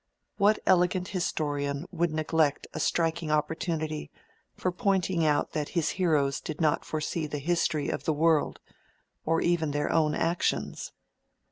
What elegant historian would neglect a striking opportunity for pointing out that his heroes did not foresee the history of the world, or even their own actions?